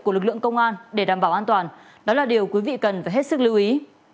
của lực lượng công an để đảm bảo an toàn đó là điều quý vị cần phải hết sức lưu ý